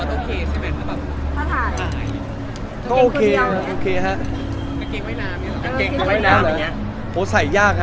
อ๋อน้องมีหลายคน